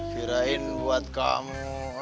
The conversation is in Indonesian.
firain buat kamu